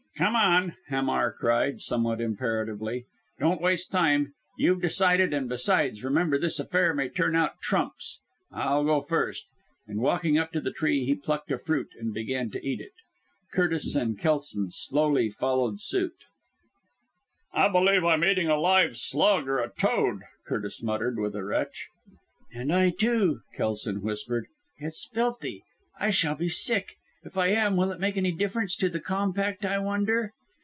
"Come on!" Hamar cried, somewhat imperatively. "Don't waste time. You've decided, and besides, remember this affair may turn out trumps. I'll go first," and walking up to the tree he plucked a fruit and began to eat it. Curtis and Kelson slowly followed suit. "I believe I'm eating a live slug, or a toad," Curtis muttered, with a retch. "And I, too," Kelson whispered. "It's filthy. I shall be sick. If I am, will it make any difference to the compact, I wonder?"